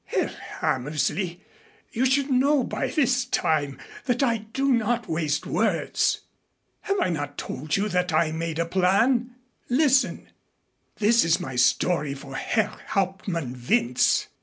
"Herr Hammersley, you should know by this time that I do not waste words. Have I not told you that I have made a plan? Listen. This is my story for Herr Hauptmann Wentz.